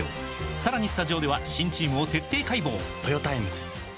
さらにスタジオでは新チームを徹底解剖！